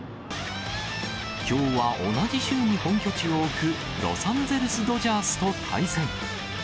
きょうは同じ州に本拠地を置く、ロサンゼルスドジャースと対戦。